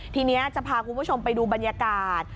ทีนี้จะพาคุณผู้ชมไปดูบรรยากาศ